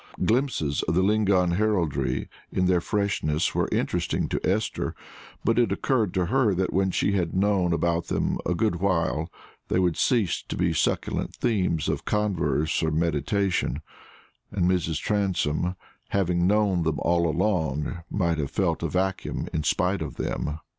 Glimpses of the Lingon heraldry in their freshness were interesting to Esther; but it occurred to her that when she had known about them a good while they would cease to be succulent themes of converse or meditation, and Mrs. Transome, having known them all along, might have felt a vacuum in spite of them.